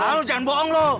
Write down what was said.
ah lu jangan bohong lu